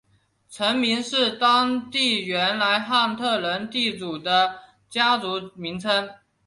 城名是当地原来汉特人地主的家族名称。